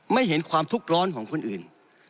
ไม่เห็นความทุกข์ร้อนของคนอื่น